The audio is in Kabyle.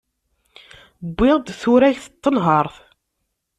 Wwiɣ-d turagt n tenhert.